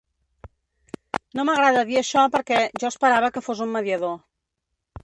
No m’agrada dir això perquè jo esperava que fos un mediador.